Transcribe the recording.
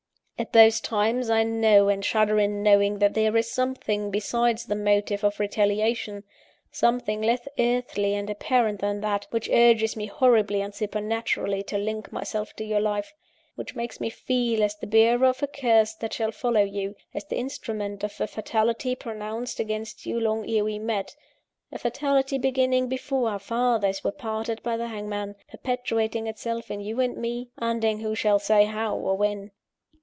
At those times, I know, and shudder in knowing, that there is something besides the motive of retaliation, something less earthly and apparent than that, which urges me horribly and supernaturally to link myself to you for life; which makes me feel as the bearer of a curse that shall follow you; as the instrument of a fatality pronounced against you long ere we met a fatality beginning before our fathers were parted by the hangman; perpetuating itself in you and me; ending who shall say how, or when?